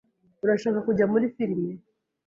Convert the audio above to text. Urashaka kujya muri firime?